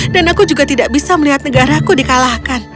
dan aku juga tidak bisa melihat negaraku dikalahkan